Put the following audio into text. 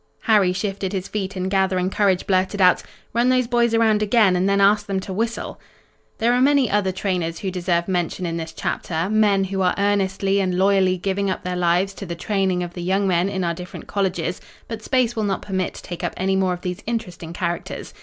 Harry shifted his feet and gathering courage blurted out: "Run those boys around again and then ask them to whistle." There are many other trainers who deserve mention in this chapter, men who are earnestly and loyally giving up their lives to the training of the young men in our different colleges, but space will not permit to take up any more of these interesting characters.